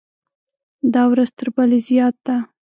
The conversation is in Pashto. دا ورځ تر بلې زیات ده.